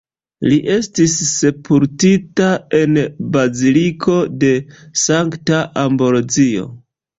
Li estis sepultita en la Baziliko de Sankta Ambrozio.